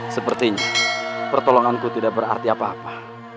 sepertinya pertolonganku tidak berarti apa apa